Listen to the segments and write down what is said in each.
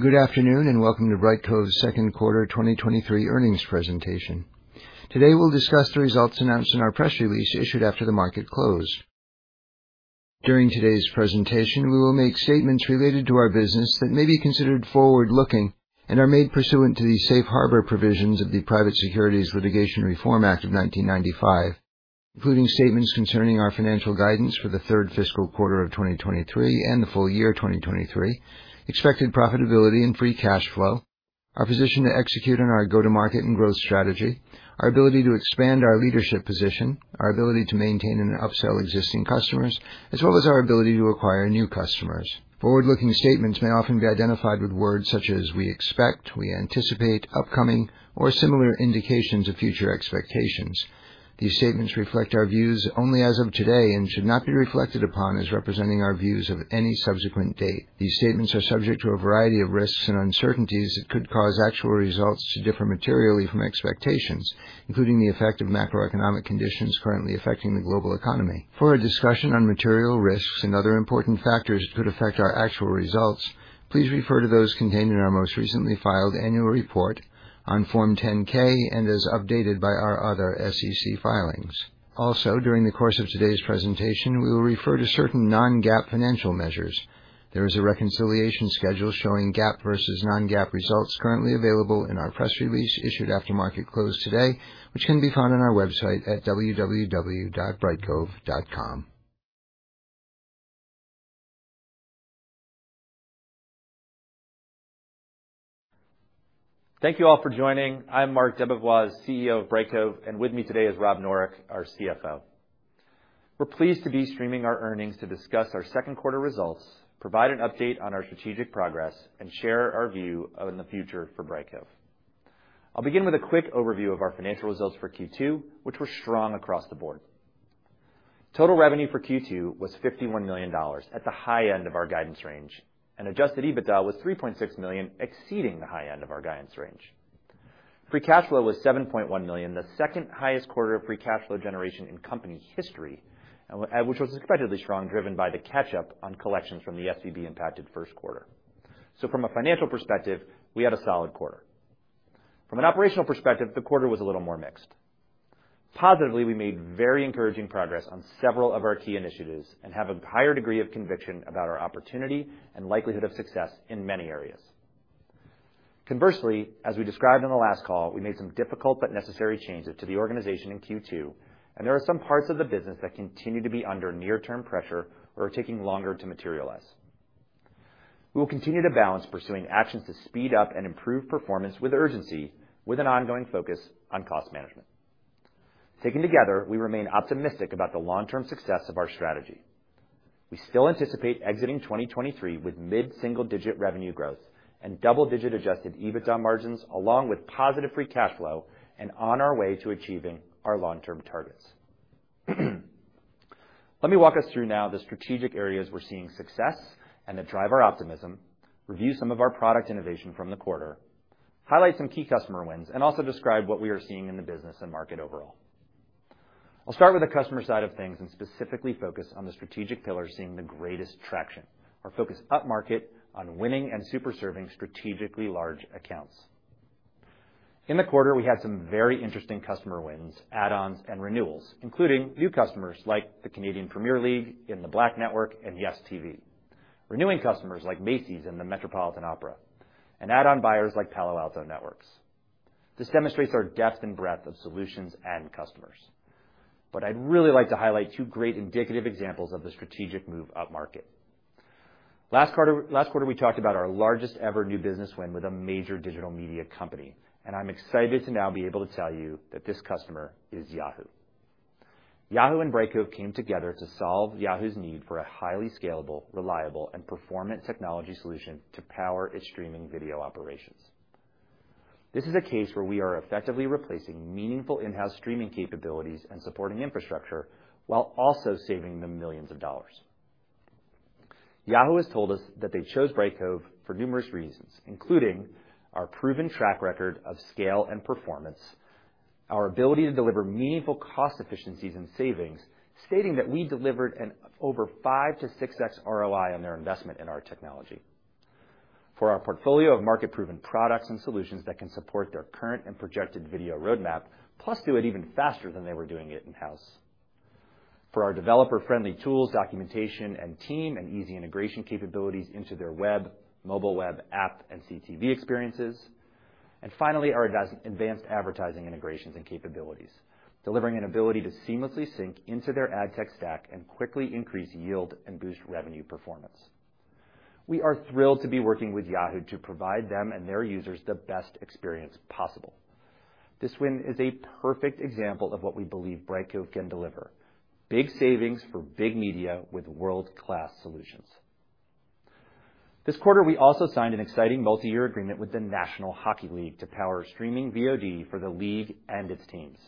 Good afternoon, welcome to Brightcove's Q2 2023 earnings presentation. Today, we'll discuss the results announced in our press release, issued after the market closed. During today's presentation, we will make statements related to our business that may be considered forward-looking and are made pursuant to the Safe Harbor Provisions of the Private Securities Litigation Reform Act of 1995, including statements concerning our financial guidance for the third fiscal quarter of 2023 and the full year of 2023, expected profitability and free cash flow, our position to execute on our go-to-market and growth strategy, our ability to expand our leadership position, our ability to maintain and upsell existing customers, as well as our ability to acquire new customers. Forward-looking statements may often be identified with words such as: we expect, we anticipate, upcoming, or similar indications of future expectations. These statements reflect our views only as of today and should not be reflected upon as representing our views of any subsequent date. These statements are subject to a variety of risks and uncertainties that could cause actual results to differ materially from expectations, including the effect of macroeconomic conditions currently affecting the global economy. For a discussion on material risks and other important factors that could affect our actual results, please refer to those contained in our most recently filed annual report on Form 10-K and as updated by our other SEC filings. Also, during the course of today's presentation, we will refer to certain non-GAAP financial measures. There is a reconciliation schedule showing GAAP versus non-GAAP results currently available in our press release issued after market close today, which can be found on our website at www.brightcove.com. Thank you all for joining. I'm Marc DeBevoise, CEO of Brightcove, and with me today is Rob Noreck, our CFO. We're pleased to be streaming our earnings to discuss our Q2 results, provide an update on our strategic progress, and share our view of in the future for Brightcove. I'll begin with a quick overview of our financial results for Q2, which were strong across the board. Total revenue for Q2 was $51 million at the high end of our guidance range, and adjusted EBITDA was $3.6 million, exceeding the high end of our guidance range. Free cash flow was $7.1 million, the second highest quarter of free cash flow generation in company history, which was incredibly strong, driven by the catch-up on collections from the SCB-impacted Q1. From a financial perspective, we had a solid quarter. From an operational perspective, the quarter was a little more mixed. Positively, we made very encouraging progress on several of our key initiatives and have a higher degree of conviction about our opportunity and likelihood of success in many areas. Conversely, as we described on the last call, we made some difficult but necessary changes to the organization in Q2, and there are some parts of the business that continue to be under near-term pressure or are taking longer to materialize. We will continue to balance pursuing actions to speed up and improve performance with urgency, with an ongoing focus on cost management. Taken together, we remain optimistic about the long-term success of our strategy. We still anticipate exiting 2023 with mid-single-digit revenue growth and double-digit adjusted EBITDA margins, along with positive free cash flow and on our way to achieving our long-term targets. Let me walk us through now the strategic areas we're seeing success and that drive our optimism, review some of our product innovation from the quarter, highlight some key customer wins, and also describe what we are seeing in the business and market overall. I'll start with the customer side of things and specifically focus on the strategic pillar, seeing the greatest traction, our focus upmarket on winning and super serving strategically large accounts. In the quarter, we had some very interesting customer wins, add-ons, and renewals, including new customers like the Canadian Premier League, the Black Network, and Yes TV, renewing customers like Macy's and the Metropolitan Opera, and add-on buyers like Palo Alto Networks. This demonstrates our depth and breadth of solutions and customers. I'd really like to highlight two great indicative examples of the strategic move upmarket. Last quarter, last quarter, we talked about our largest-ever new business win with a major digital media company, and I'm excited to now be able to tell you that this customer is Yahoo! Yahoo and Brightcove came together to solve Yahoo's need for a highly scalable, reliable, and performance technology solution to power its streaming video operations. This is a case where we are effectively replacing meaningful in-house streaming capabilities and supporting infrastructure, while also saving them millions of dollars. Yahoo has told us that they chose Brightcove for numerous reasons, including our proven track record of scale and performance, our ability to deliver meaningful cost efficiencies and savings, stating that we delivered an over 5x to 6x ROI on their investment in our technology. For our portfolio of market-proven products and solutions that can support their current and projected video roadmap, plus do it even faster than they were doing it in-house. For our developer-friendly tools, documentation, and team, and easy integration capabilities into their web, mobile web, app, and CTV experiences. Finally, our advanced advertising integrations and capabilities, delivering an ability to seamlessly sync into their ad tech stack and quickly increase yield and boost revenue performance. We are thrilled to be working with Yahoo! to provide them and their users the best experience possible. This win is a perfect example of what we believe Brightcove can deliver, big savings for big media with world-class solutions. This quarter, we also signed an exciting multi-year agreement with the National Hockey League to power streaming VOD for the league and its teams.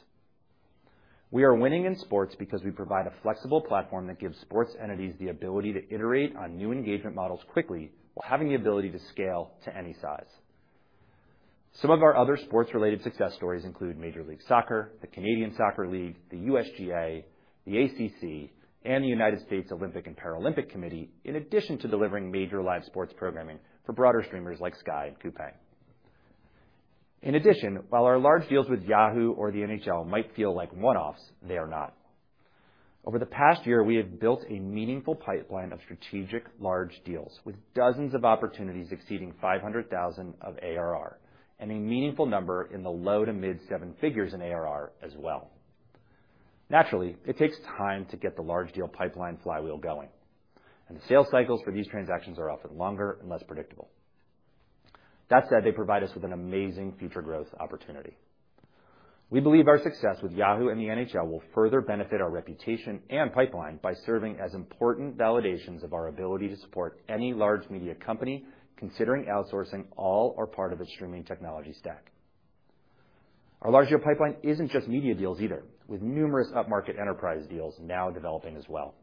We are winning in sports because we provide a flexible platform that gives sports entities the ability to iterate on new engagement models quickly, while having the ability to scale to any size. Some of our other sports-related success stories include Major League Soccer, the Canadian Soccer League, the USGA, the ACC, and the United States Olympic & Paralympic Committee, in addition to delivering major live sports programming for broader streamers like Sky and Coupang. In addition, while our large deals with Yahoo! or the NHL might feel like one-offs, they are not. Over the past year, we have built a meaningful pipeline of strategic, large deals, with dozens of opportunities exceeding $500,000 of ARR, and a meaningful number in the low to mid seven figures in ARR as well. Naturally, it takes time to get the large deal pipeline flywheel going, and the sales cycles for these transactions are often longer and less predictable. That said, they provide us with an amazing future growth opportunity. We believe our success with Yahoo! and the NHL will further benefit our reputation and pipeline by serving as important validations of our ability to support any large media company considering outsourcing all or part of its streaming technology stack. Our large deal pipeline isn't just media deals either, with numerous upmarket enterprise deals now developing as well.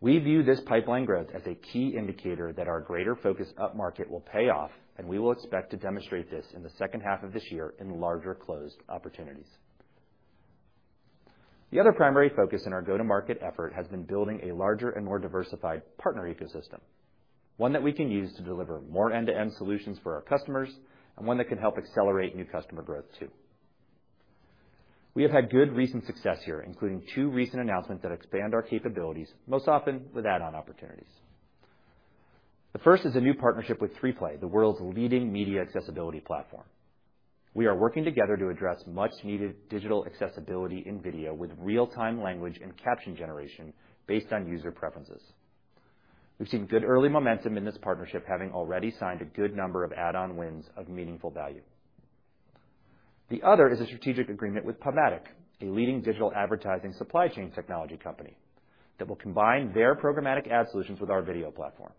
We view this pipeline growth as a key indicator that our greater focused upmarket will pay off, and we will expect to demonstrate this in the second half of this year in larger closed opportunities. The other primary focus in our go-to-market effort has been building a larger and more diversified partner ecosystem, one that we can use to deliver more end-to-end solutions for our customers, and one that can help accelerate new customer growth, too. We have had good recent success here, including 2 recent announcements that expand our capabilities, most often with add-on opportunities. The first is a new partnership with 3Play, the world's leading media accessibility platform. We are working together to address much-needed digital accessibility in video with real-time language and caption generation based on user preferences. We've seen good early momentum in this partnership, having already signed a good number of add-on wins of meaningful value. The other is a strategic agreement with PubMatic, a leading digital advertising supply chain technology company, that will combine their programmatic ad solutions with our video platform.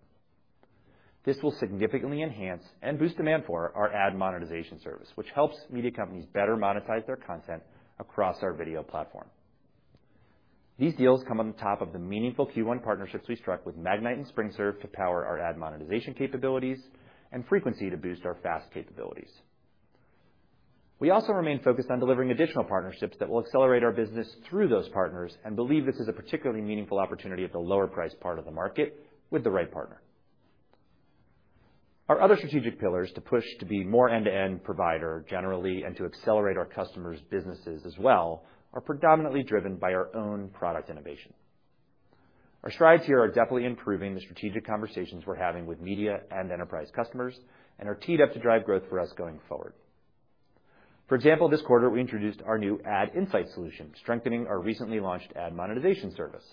This will significantly enhance and boost demand for our Ad Monetization service, which helps media companies better monetize their content across our video platform. These deals come on top of the meaningful Q1 partnerships we struck with Magnite and SpringServe to power our Ad Monetization capabilities and frequency to boost our FAST capabilities. We also remain focused on delivering additional partnerships that will accelerate our business through those partners and believe this is a particularly meaningful opportunity at the lower price part of the market with the right partner. Our other strategic pillars to push to be more end-to-end provider generally, and to accelerate our customers' businesses as well, are predominantly driven by our own product innovation. Our strides here are definitely improving the strategic conversations we're having with media and enterprise customers and are teed up to drive growth for us going forward. For example, this quarter, we introduced our new Ad Insights solution, strengthening our recently launched Ad Monetization service.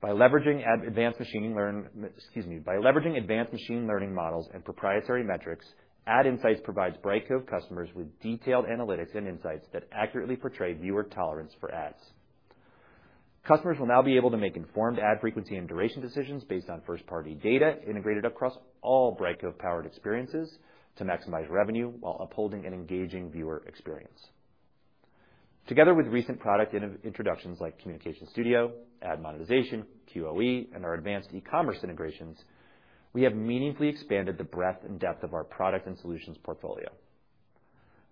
By leveraging advanced excuse me, by leveraging advanced machine learning models and proprietary metrics, Ad Insights provides Brightcove customers with detailed analytics and insights that accurately portray viewer tolerance for ads. Customers will now be able to make informed ad frequency and duration decisions based on first-party data integrated across all Brightcove-powered experiences to maximize revenue while upholding an engaging viewer experience. Together with recent product introductions like Communications Studio, Ad Monetization, QoE, and our advanced e-commerce integrations, we have meaningfully expanded the breadth and depth of our product and solutions portfolio.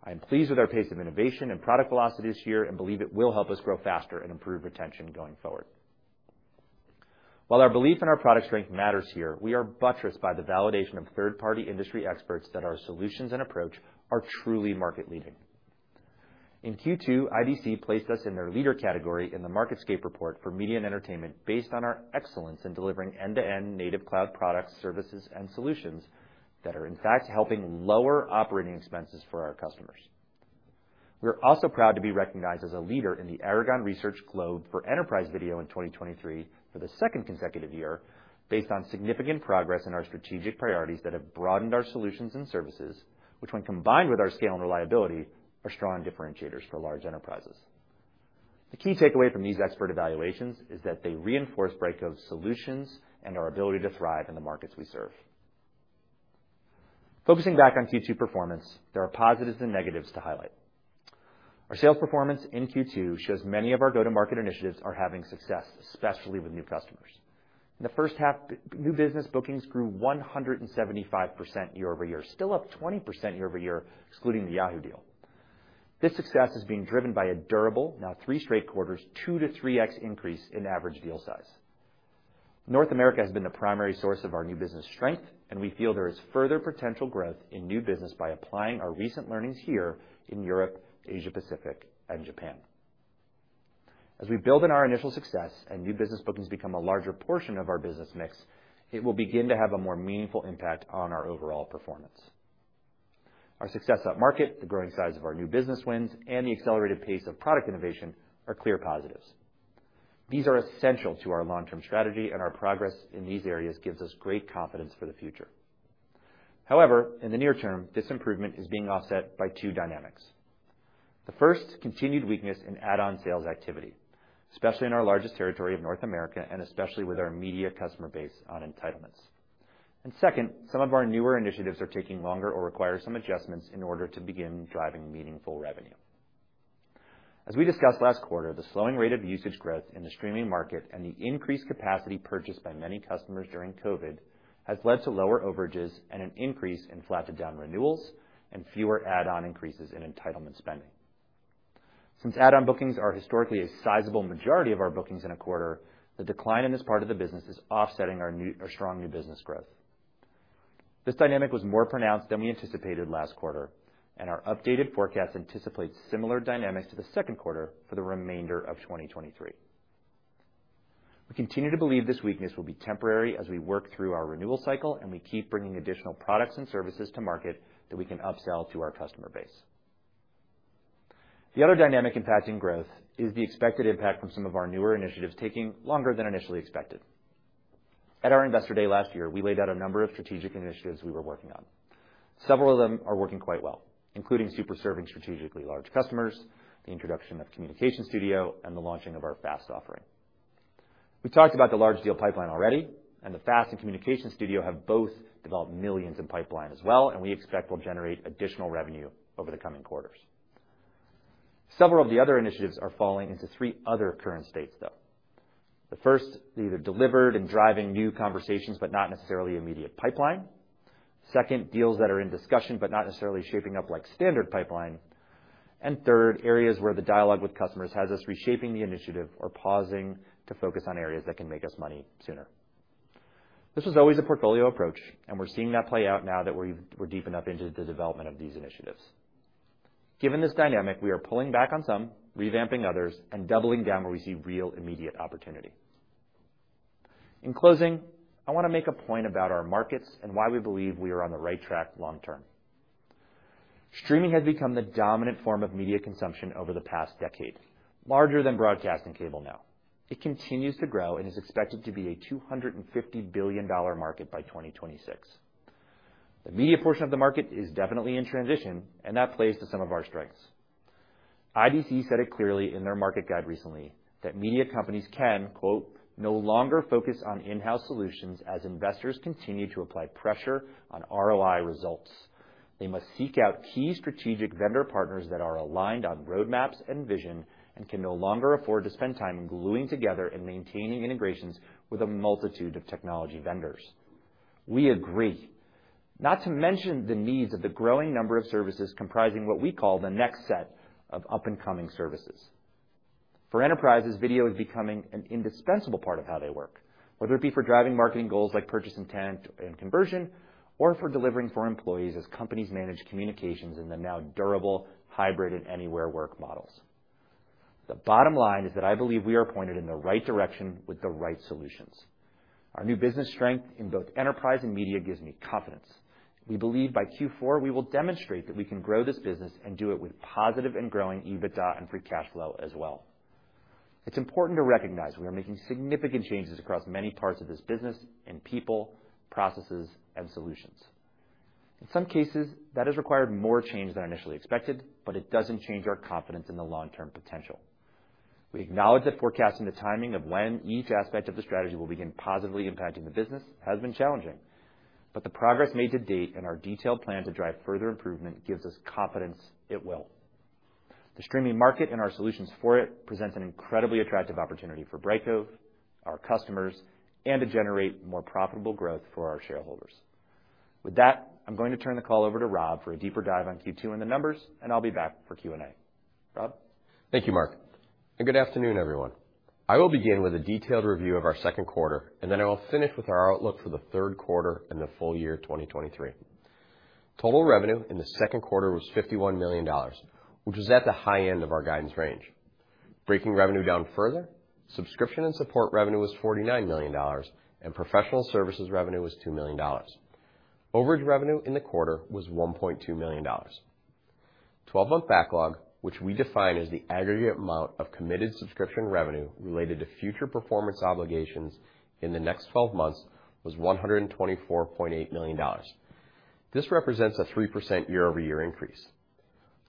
I am pleased with our pace of innovation and product velocity this year and believe it will help us grow faster and improve retention going forward. While our belief in our product strength matters here, we are buttressed by the validation of third-party industry experts that our solutions and approach are truly market-leading. In Q2, IDC placed us in their leader category in the IDC MarketScape Report for media and entertainment based on our excellence in delivering end-to-end native cloud products, services, and solutions that are in fact, helping lower operating expenses for our customers. We are also proud to be recognized as a leader in the Aragon Research Globe for Enterprise Video in 2023 for the second consecutive year, based on significant progress in our strategic priorities that have broadened our solutions and services, which, when combined with our scale and reliability, are strong differentiators for large enterprises. The key takeaway from these expert evaluations is that they reinforce Brightcove's solutions and our ability to thrive in the markets we serve. Focusing back on Q2 performance, there are positives and negatives to highlight. Our sales performance in Q2 shows many of our go-to-market initiatives are having success, especially with new customers. In the first half, new business bookings grew 175% year-over-year, still up 20% year-over-year, excluding the Yahoo! deal. This success is being driven by a durable, now three straight quarters, 2x to 3x increase in average deal size. North America has been the primary source of our new business strength. We feel there is further potential growth in new business by applying our recent learnings here in Europe, Asia Pacific, and Japan. As we build on our initial success and new business bookings become a larger portion of our business mix, it will begin to have a more meaningful impact on our overall performance. Our success upmarket, the growing size of our new business wins, and the accelerated pace of product innovation are clear positives. These are essential to our long-term strategy. Our progress in these areas gives us great confidence for the future. However, in the near term, this improvement is being offset by two dynamics. The first, continued weakness in add-on sales activity, especially in our largest territory of North America, and especially with our media customer base on entitlements. Second, some of our newer initiatives are taking longer or require some adjustments in order to begin driving meaningful revenue. As we discussed last quarter, the slowing rate of usage growth in the streaming market and the increased capacity purchased by many customers during COVID, has led to lower overages and an increase in flat-to-down renewals and fewer add-on increases in entitlement spending. Since add-on bookings are historically a sizable majority of our bookings in a quarter, the decline in this part of the business is offsetting our strong new business growth. This dynamic was more pronounced than we anticipated last quarter. Our updated forecast anticipates similar dynamics to the Q2 for the remainder of 2023. We continue to believe this weakness will be temporary as we work through our renewal cycle. We keep bringing additional products and services to market that we can upsell to our customer base. The other dynamic impacting growth is the expected impact from some of our newer initiatives taking longer than initially expected. At our Investor Day last year, we laid out a number of strategic initiatives we were working on. Several of them are working quite well, including super serving strategically large customers, the introduction of Communications Studio, and the launching of our FAST offering. We talked about the large deal pipeline already, the FAST and Communications Studio have both developed millions in pipeline as well, and we expect will generate additional revenue over the coming quarters. Several of the other initiatives are falling into three other current states, though. The first, either delivered and driving new conversations, but not necessarily immediate pipeline. Second, deals that are in discussion, but not necessarily shaping up like standard pipeline. Third, areas where the dialogue with customers has us reshaping the initiative or pausing to focus on areas that can make us money sooner. This was always a portfolio approach, and we're seeing that play out now that we've deepened up into the development of these initiatives. Given this dynamic, we are pulling back on some, revamping others, and doubling down where we see real immediate opportunity. In closing, I wanna make a point about our markets and why we believe we are on the right track long term. Streaming has become the dominant form of media consumption over the past decade, larger than broadcast and cable now. It continues to grow and is expected to be a $250 billion market by 2026. The media portion of the market is definitely in transition, and that plays to some of our strengths. IDC said it clearly in their market guide recently, that media companies can, quote, "No longer focus on in-house solutions as investors continue to apply pressure on ROI results. They must seek out key strategic vendor partners that are aligned on roadmaps and vision, and can no longer afford to spend time gluing together and maintaining integrations with a multitude of technology vendors." We agree. Not to mention the needs of the growing number of services comprising what we call the next set of up-and-coming services. For enterprises, video is becoming an indispensable part of how they work, whether it be for driving marketing goals like purchase intent and conversion, or for delivering for employees as companies manage communications in the now durable, hybrid, and anywhere work models. The bottom line is that I believe we are pointed in the right direction with the right solutions. Our new business strength in both enterprise and media gives me confidence. We believe by Q4, we will demonstrate that we can grow this business and do it with positive and growing EBITDA and free cash flow as well. It's important to recognize we are making significant changes across many parts of this business in people, processes, and solutions. In some cases, that has required more change than initially expected, but it doesn't change our confidence in the long-term potential. We acknowledge that forecasting the timing of when each aspect of the strategy will begin positively impacting the business has been challenging, but the progress made to date and our detailed plan to drive further improvement gives us confidence it will. The streaming market and our solutions for it presents an incredibly attractive opportunity for Brightcove, our customers, and to generate more profitable growth for our shareholders. With that, I'm going to turn the call over to Rob for a deeper dive on Q2 and the numbers, and I'll be back for Q&A. Rob? Thank you, Marc, good afternoon, everyone. I will begin with a detailed review of our Q2, and then I will finish with our outlook for the Q3 and the full year 2023. Total revenue in the Q2 was $51 million, which was at the high end of our guidance range. Breaking revenue down further, subscription and support revenue was $49 million, and professional services revenue was $2 million. Overage revenue in the quarter was $1.2 million. 12-month backlog, which we define as the aggregate amount of committed subscription revenue related to future performance obligations in the next 12 months, was $124.8 million. This represents a 3% year-over-year increase.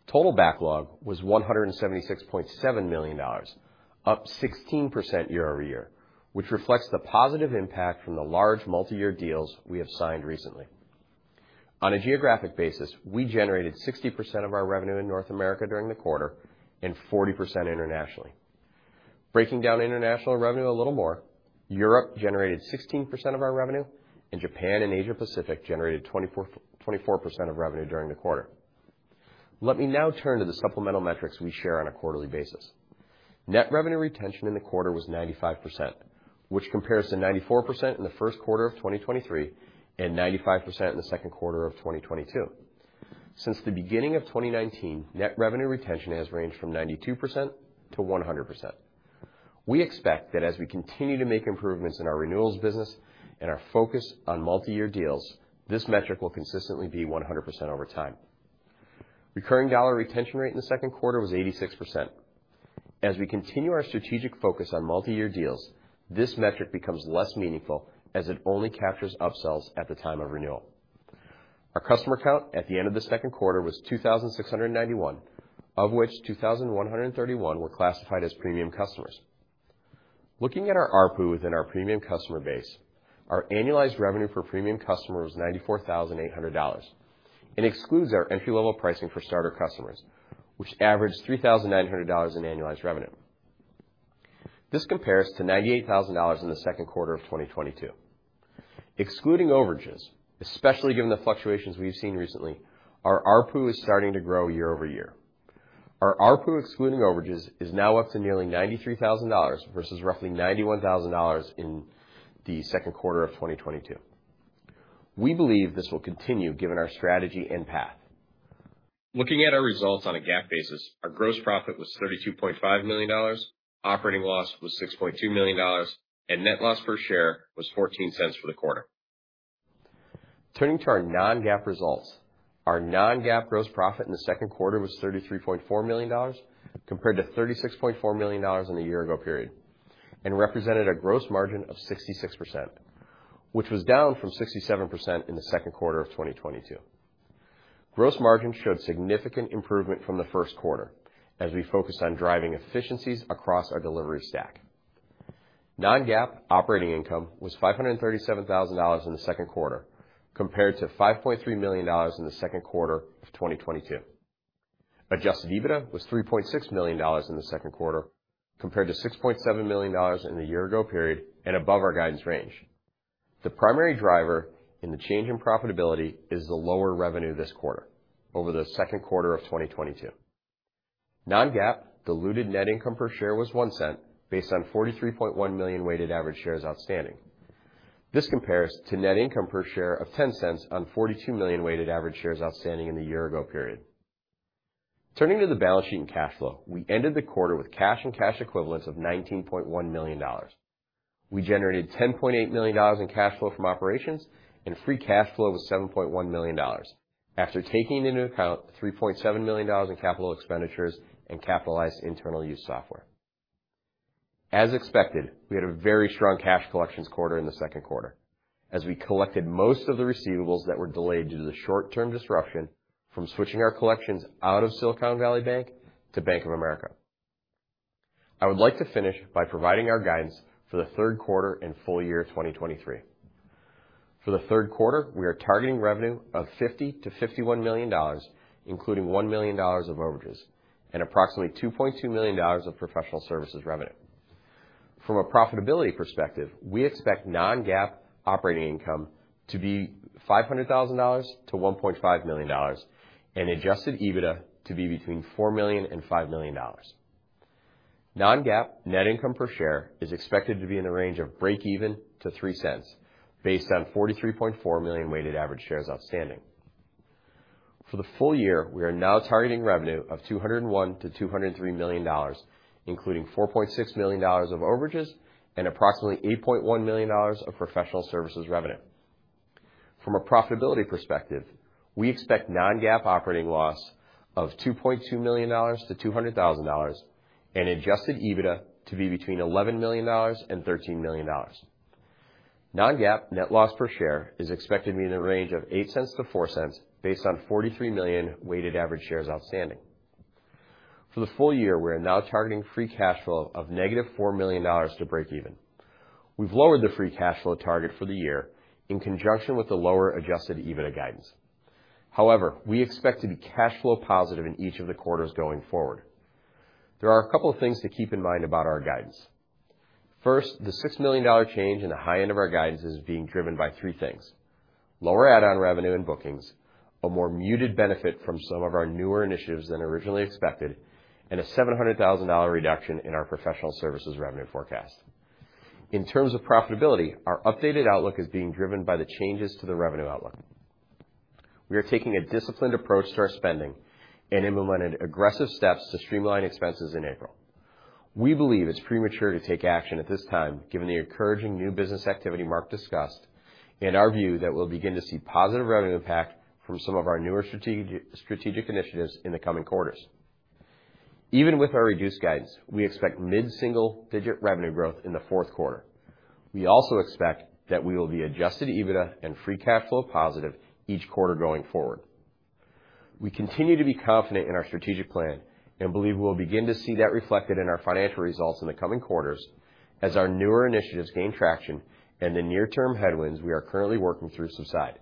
Total backlog was $176.7 million, up 16% year-over-year, which reflects the positive impact from the large multi-year deals we have signed recently. On a geographic basis, we generated 60% of our revenue in North America during the quarter and 40% internationally. Breaking down international revenue a little more, Europe generated 16% of our revenue, and Japan and Asia Pacific generated 24% of revenue during the quarter. Let me now turn to the supplemental metrics we share on a quarterly basis. Net revenue retention in the quarter was 95%, which compares to 94% in the Q1 of 2023, and 95% in the Q2 of 2022. Since the beginning of 2019, net revenue retention has ranged from 92% to 100%. We expect that as we continue to make improvements in our renewals business and our focus on multi-year deals, this metric will consistently be 100% over time. Recurring dollar retention rate in the Q2 was 86%. As we continue our strategic focus on multi-year deals, this metric becomes less meaningful, as it only captures upsells at the time of renewal. Our customer count at the end of the Q2 was 2,691, of which 2,131 were classified as premium customers. Looking at our ARPU within our premium customer base, our annualized revenue per premium customer was $94,800 and excludes our entry-level pricing for starter customers, which averaged $3,900 in annualized revenue. This compares to $98,000 in the Q2 of 2022. Excluding overages, especially given the fluctuations we've seen recently, our ARPU is starting to grow year-over-year. Our ARPU, excluding overages, is now up to nearly $93,000 versus roughly $91,000 in the Q2 of 2022. We believe this will continue given our strategy and path. Looking at our results on a GAAP basis, our gross profit was $32.5 million, operating loss was $6.2 million, and net loss per share was $0.14 for the quarter. Turning to our non-GAAP results. Our non-GAAP gross profit in the Q2 was $33.4 million, compared to $36.4 million in the year ago period, and represented a gross margin of 66%, which was down from 67% in the Q2 of 2022. Gross margin showed significant improvement from the Q1 as we focused on driving efficiencies across our delivery stack. Non-GAAP operating income was $537,000 in the Q2, compared to $5.3 million in the Q2 of 2022. Adjusted EBITDA was $3.6 million in the Q2, compared to $6.7 million in the year ago period and above our guidance range. The primary driver in the change in profitability is the lower revenue this quarter over the Q2 of 2022. Non-GAAP diluted net income per share was $0.01, based on 43.1 million weighted average shares outstanding. This compares to net income per share of $0.10 on 42 million weighted average shares outstanding in the year ago period. Turning to the balance sheet and cash flow. We ended the quarter with cash and cash equivalents of $19.1 million. We generated $10.8 million in cash flow from operations, and free cash flow was $7.1 million, after taking into account $3.7 million in capital expenditures and capitalized internal use software. As expected, we had a very strong cash collections quarter in the Q2, as we collected most of the receivables that were delayed due to the short-term disruption from switching our collections out of Silicon Valley Bank to Bank of America. I would like to finish by providing our guidance for the Q3 and full year 2023. For the Q3, we are targeting revenue of $50 million to $51 million, including $1 million of overages and approximately $2.2 million of professional services revenue. From a profitability perspective, we expect non-GAAP operating income to be $500,000 to $1.5 million and adjusted EBITDA to be between $4 million and $5 million. Non-GAAP net income per share is expected to be in the range of breakeven to $0.03, based on 43.4 million weighted average shares outstanding. For the full year, we are now targeting revenue of $201 million to $203 million, including $4.6 million of overages and approximately $8.1 million of professional services revenue. From a profitability perspective, we expect non-GAAP operating loss of $2.2 million to $200,000 and adjusted EBITDA to be between $11 million and $13 million. Non-GAAP net loss per share is expected to be in the range of $0.08 to $0.04, based on 43 million weighted average shares outstanding. For the full year, we're now targeting free cash flow of negative $4 million to breakeven. We've lowered the free cash flow target for the year in conjunction with the lower adjusted EBITDA guidance. We expect to be cash flow positive in each of the quarters going forward. There are a couple of things to keep in mind about our guidance. First, the $6 million change in the high end of our guidance is being driven by three things: lower add-on revenue and bookings, a more muted benefit from some of our newer initiatives than originally expected, and a $700,000 reduction in our professional services revenue forecast. In terms of profitability, our updated outlook is being driven by the changes to the revenue outlook. We are taking a disciplined approach to our spending and implemented aggressive steps to streamline expenses in April. We believe it's premature to take action at this time, given the encouraging new business activity Marc discussed, and our view that we'll begin to see positive revenue impact from some of our newer strategic, strategic initiatives in the coming quarters. Even with our reduced guidance, we expect mid-single-digit revenue growth in the Q4. We also expect that we will be adjusted EBITDA and free cash flow positive each quarter going forward. We continue to be confident in our strategic plan and believe we'll begin to see that reflected in our financial results in the coming quarters as our newer initiatives gain traction and the near-term headwinds we are currently working through subside.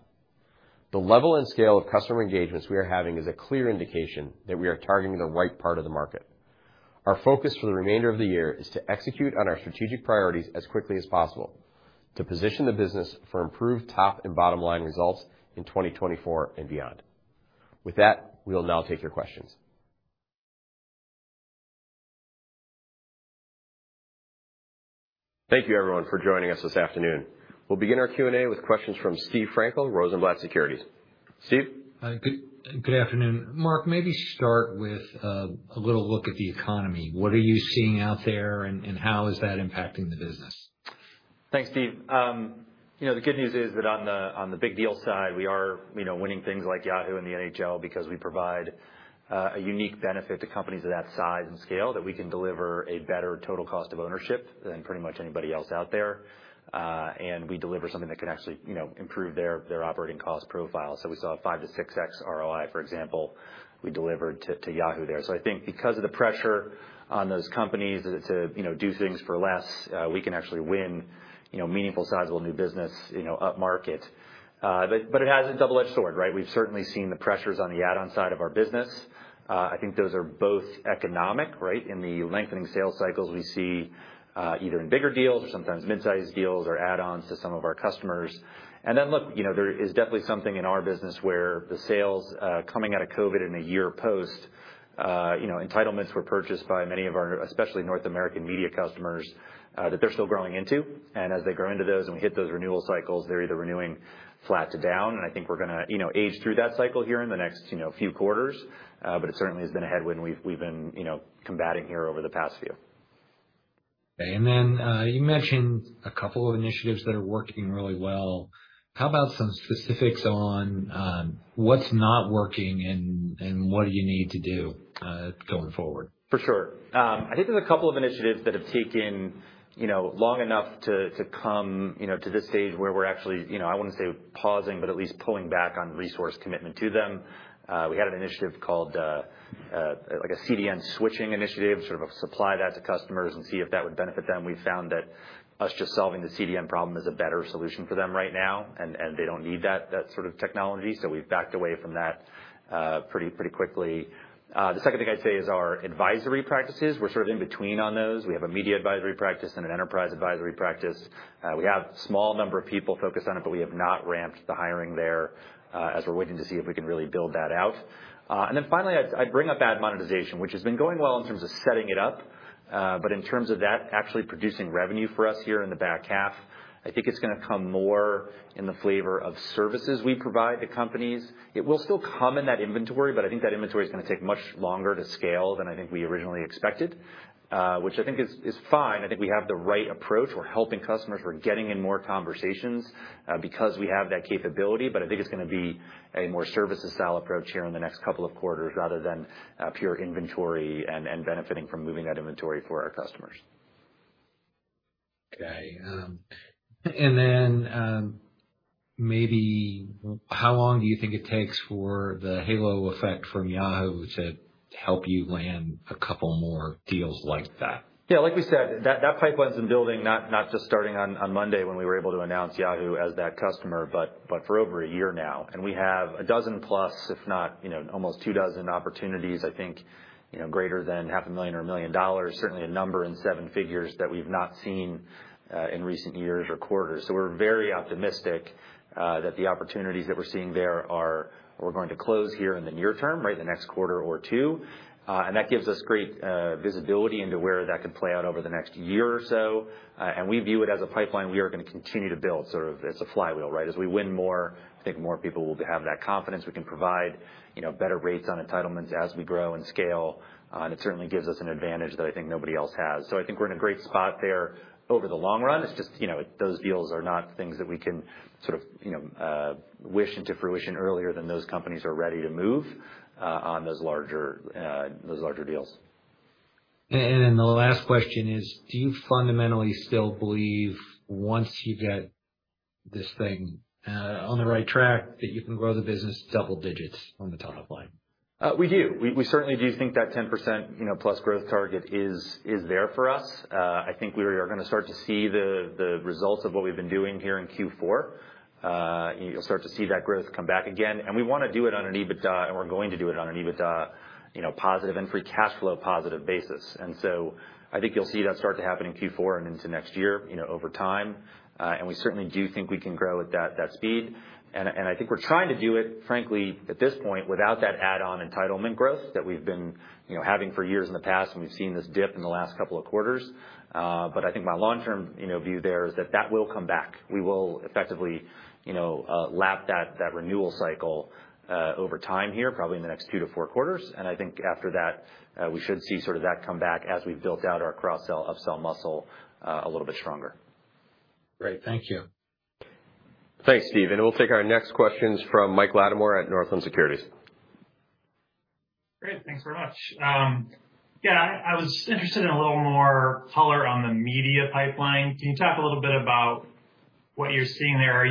The level and scale of customer engagements we are having is a clear indication that we are targeting the right part of the market. Our focus for the remainder of the year is to execute on our strategic priorities as quickly as possible, to position the business for improved top and bottom line results in 2024 and beyond. We'll now take your questions. Thank you, everyone, for joining us this afternoon. We'll begin our Q&A with questions from Steve Frankel, Rosenblatt Securities. Steve? Hi. Good, good afternoon. Marc, maybe start with a little look at the economy. What are you seeing out there, and, and how is that impacting the business? Thanks, Steve. You know, the good news is that on the, on the big deal side, we are, you know, winning things like Yahoo! and the NHL because we provide a unique benefit to companies of that size and scale, that we can deliver a better total cost of ownership than pretty much anybody else out there. And we deliver something that can actually, you know, improve their, their operating cost profile. We saw a 5x to 6x ROI, for example, we delivered to, to Yahoo! there. I think because of the pressure on those companies to, to, you know, do things for less, we can actually win, you know, meaningful, sizable, new business, you know, upmarket. But it has a double-edged sword, right? We've certainly seen the pressures on the add-on side of our business. I think those are both economic, right? In the lengthening sales cycles, we see, either in bigger deals or sometimes mid-sized deals or add-ons to some of our customers. Then, look, you know, there is definitely something in our business where the sales, coming out of COVID in a year post, you know, entitlements were purchased by many of our, especially North American media customers, that they're still growing into. As they grow into those and we hit those renewal cycles, they're either renewing flat to down, and I think we're gonna, you know, age through that cycle here in the next, you know, few quarters. It certainly has been a headwind we've, we've been, you know, combating here over the past few. Okay. Then, you mentioned a couple of initiatives that are working really well. How about some specifics on, on what's not working and, and what do you need to do going forward? For sure. I think there's couple of initiatives that have taken, you know, long enough to, to come, you know, to this stage where we're actually, you know, I wouldn't say pausing, but at least pulling back on resource commitment to them. We had an initiative called a CDN switching initiative, sort of supply that to customers and see if that would benefit them. We found that us just solving the CDN problem is a better solution for them right now, and they don't need that, that sort of technology. We've backed away from that pretty, pretty quickly. The second thing I'd say is our advisory practices. We're sort of in between on those. We have a media advisory practice and an enterprise advisory practice. We have a small number of people focused on it, but we have not ramped the hiring there, as we're waiting to see if we can really build that out. Then finally, I'd, I'd bring up Ad Monetization, which has been going well in terms of setting it up, but in terms of that, actually producing revenue for us here in the back half, I think it's gonna come more in the flavor of services we provide to companies. It will still come in that inventory, but I think that inventory is gonna take much longer to scale than I think we originally expected, which I think is, is fine. I think we have the right approach. We're helping customers, we're getting in more conversations, because we have that capability. I think it's gonna be a more services style approach here in the next couple of quarters, rather than, pure inventory and, and benefiting from moving that inventory for our customers. Okay. How long do you think it takes for the halo effect from Yahoo! to help you land a couple more deals like that? Yeah, like we said, that, that pipeline's been building, not, not just starting on, on Monday, when we were able to announce Yahoo! as that customer, but, but for over a year now, and we have a dozen plus, if not, you know, almost two dozen opportunities, I think, you know, greater than $500,000 or $1 million. Certainly a number in seven figures that we've not seen in recent years or quarters. We're very optimistic that the opportunities that we're seeing there are going to close here in the near term, right? The next quarter or two. That gives us great visibility into where that could play out over the next year or so. We view it as a pipeline we are gonna continue to build, sort of, as a flywheel, right? As we win more, I think more people will have that confidence. We can provide, you know, better rates on entitlements as we grow and scale, and it certainly gives us an advantage that I think nobody else has. I think we're in a great spot there over the long run. It's just, you know, those deals are not things that we can sort of, you know, wish into fruition earlier than those companies are ready to move on those larger, those larger deals. Then the last question is, do you fundamentally still believe, once you get this thing on the right track, that you can grow the business double digits on the top line? We do. We, we certainly do think that 10%, you know, plus growth target is, is there for us. I think we are gonna start to see the, the results of what we've been doing here in Q4. You'll start to see that growth come back again, and we wanna do it on an EBITDA, and we're going to do it on an EBITDA, you know, positive and free cash flow positive basis. So I think you'll see that start to happen in Q4 and into next year, you know, over time. We certainly do think we can grow at that, that speed. I think we're trying to do it, frankly, at this point, without that add-on entitlement growth that we've been, you know, having for years in the past, and we've seen this dip in the last couple of quarters. I think my long-term, you know, view there is that, that will come back. We will effectively, you know, lap that, that renewal cycle over time here, probably in the next two to four quarters. I think after that, we should see sort of that come back as we've built out our cross-sell, up-sell muscle a little bit stronger. Great. Thank you. Thanks, Steve. We'll take our next questions from Michael Latimore at Northland Securities. Great. Thanks very much. Yeah, I was interested in a little more color on the media pipeline. Can you talk a little bit about what you're seeing there?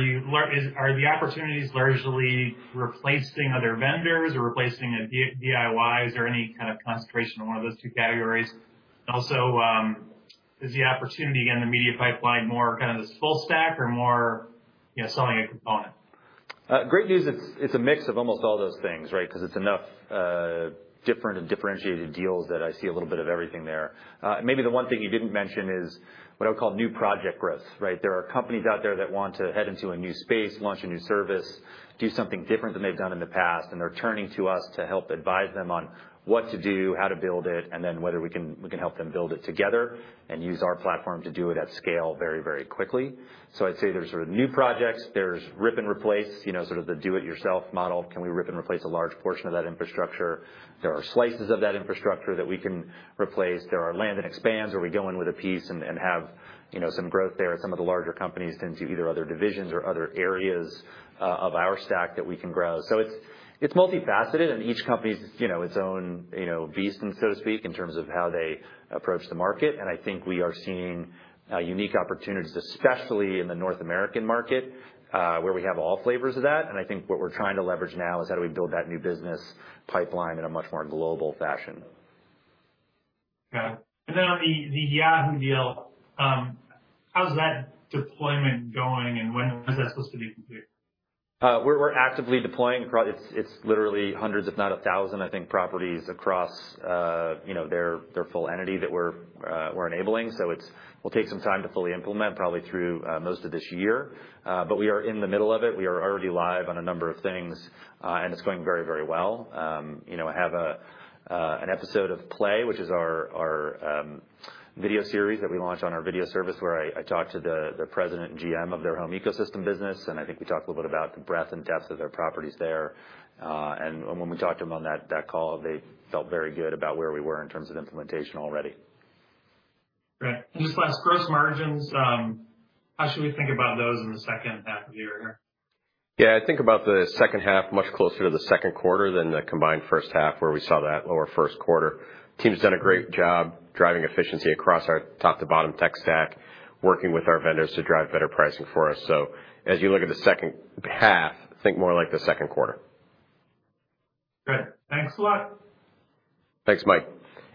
Are the opportunities largely replacing other vendors or replacing a DIY? Is there any kind of concentration on one of those two categories? Also, is the opportunity in the media pipeline more kind of this full stack or more, you know, selling a component? Great news. It's a mix of almost all those things, right? Because it's enough, different and differentiated deals that I see a little bit of everything there. Maybe the one thing you didn't mention is what I'll call new project growth, right? There are companies out there that want to head into a new space, launch a new service, do something different than they've done in the past, and they're turning to us to help advise them on what to do, how to build it, and then whether we can, we can help them build it together and use our platform to do it at scale very, very quickly. I'd say there's sort of new projects, there's rip and replace, you know, sort of the do it yourself model. Can we rip and replace a large portion of that infrastructure? There are slices of that infrastructure that we can replace. There are land and expands, where we go in with a piece and have, you know, some growth there, as some of the larger companies into either other divisions or other areas of our stack that we can grow. It's multifaceted, and each company's, you know, its own, you know, beast, so to speak, in terms of how they approach the market. I think we are seeing unique opportunities, especially in the North American market, where we have all flavors of that. I think what we're trying to leverage now is how do we build that new business pipeline in a much more global fashion. Got it. Then on the Yahoo deal, how's that deployment going, and when is that supposed to be complete? We're, we're actively deploying it's, it's literally hundreds, if not 1,000, I think, properties across, you know, their, their full entity that we're, we're enabling. It will take some time to fully implement, probably through most of this year. We are in the middle of it. We are already live on a number of things, and it's going very, very well. You know, I have a, an episode of PLAY, which is our, our, video series that we launched on our video service, where I, I talk to the president and GM of their home ecosystem business, and I think we talked a little bit about the breadth and depth of their properties there. When we talked to them on that call, they felt very good about where we were in terms of implementation already. Great. just last, gross margins, how should we think about those in the second half of the year here? Yeah, I think about the second half, much closer to the Q2 than the combined first half, where we saw that lower Q1. Team's done a great job driving efficiency across our top to bottom tech stack, working with our vendors to drive better pricing for us. As you look at the second half, think more like the Q2. Great. Thanks a lot. Thanks, Mike.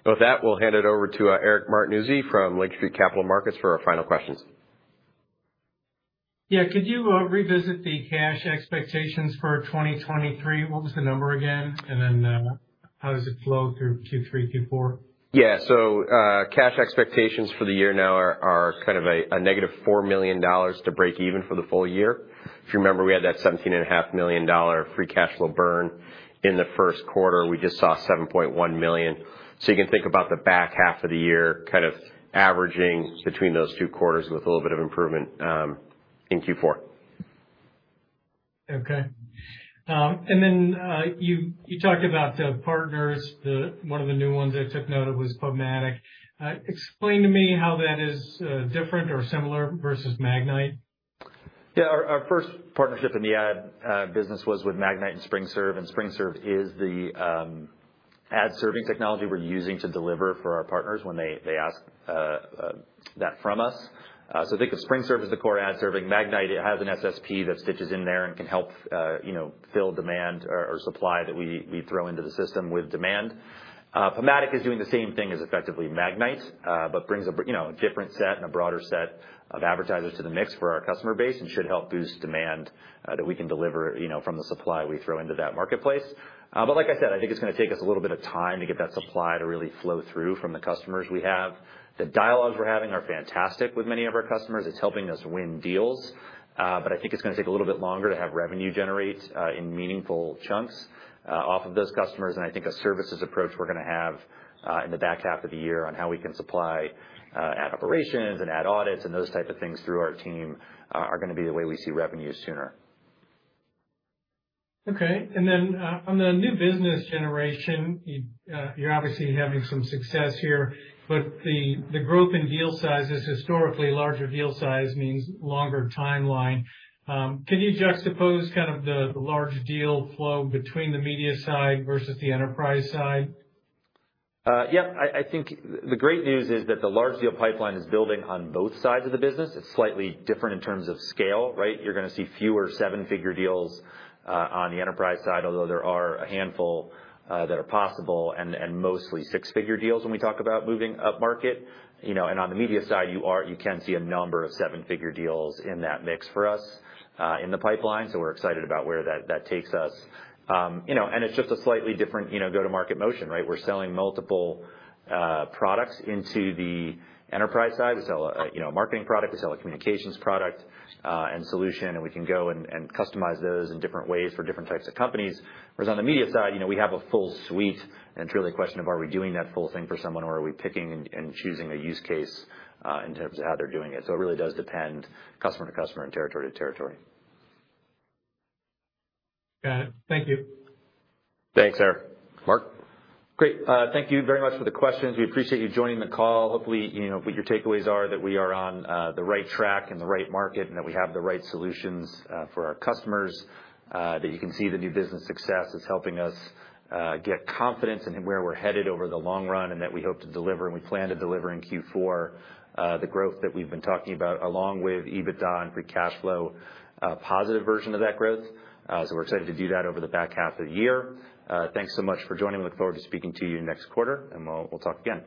With that, we'll hand it over to Eric Martinuzzi from Lake Street Capital Markets for our final questions. Yeah. Could you revisit the cash expectations for 2023? What was the number again? Then, how does it flow through Q3, Q4? Yeah. Cash expectations for the year now are kind of a negative $4 million to break even for the full year. If you remember, we had that $17.5 million free cash flow burn in the Q1. We just saw $7.1 million. You can think about the back half of the year, kind of averaging between those two quarters with a little bit of improvement in Q4. Okay. You, you talked about the partners. One of the new ones I took note of was PubMatic. Explain to me how that is different or similar versus Magnite. Yeah. Our, our first partnership in the ad business was with Magnite and SpringServe, and SpringServe is the ad serving technology we're using to deliver for our partners when they, they ask that from us. So think of SpringServe as the core ad serving. Magnite, it has an SSP that stitches in there and can help, you know, fill demand or, or supply that we, we throw into the system with demand. PubMatic is doing the same thing as effectively Magnite, but brings a, you know, a different set and a broader set of advertisers to the mix for our customer base and should help boost demand that we can deliver, you know, from the supply we throw into that marketplace. Like I said, I think it's gonna take us a little bit of time to get that supply to really flow through from the customers we have. The dialogues we're having are fantastic with many of our customers. It's helping us win deals, but I think it's gonna take a little bit longer to have revenue generate in meaningful chunks off of those customers. I think a services approach we're gonna have in the back half of the year on how we can supply ad operations and ad audits and those type of things through our team are gonna be the way we see revenues sooner. Okay. Then, on the new business generation, you, you're obviously having some success here, but the, the growth in deal sizes, historically, larger deal size means longer timeline. Can you juxtapose kind of the, the large deal flow between the media side versus the enterprise side? Yeah, I, I think the great news is that the large deal pipeline is building on both sides of the business. It's slightly different in terms of scale, right? You're gonna see fewer seven figure deals on the enterprise side, although there are a handful that are possible and mostly seven figure deals when we talk about moving upmarket. You know, and on the media side, you can see a number of seven figure deals in that mix for us in the pipeline, so we're excited about where that, that takes us. You know, and it's just a slightly different, you know, go-to-market motion, right? We're selling multiple products into the enterprise side. We sell a, you know, a marketing product, we sell a communications product, and solution, and we can go and, and customize those in different ways for different types of companies. Whereas on the media side, you know, we have a full suite, and it's really a question of are we doing that full thing for someone, or are we picking and, and choosing a use case, in terms of how they're doing it? It really does depend customer to customer and territory to territory. Got it. Thank you. Thanks, Eric. Marc? Great, thank you very much for the questions. We appreciate you joining the call. Hopefully, you know, what your takeaways are, that we are on the right track and the right market, and that we have the right solutions for our customers. That you can see the new business success is helping us get confidence in where we're headed over the long run, and that we hope to deliver, and we plan to deliver in Q4 the growth that we've been talking about, along with EBITDA and free cash flow, positive version of that growth. We're excited to do that over the back half of the year. Thanks so much for joining. We look forward to speaking to you next quarter, and we'll, we'll talk again.